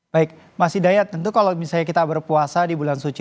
baik mas hidayat tentu kalau misalnya kita berpuasa di bulan suci